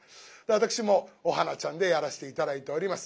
私も「お花ちゃん」でやらせて頂いております。